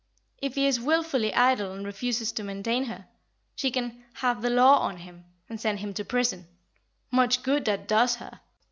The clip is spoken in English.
If he is wilfully idle and refuses to maintain her, she can "have the law of him," and send him to prison: much good that does her!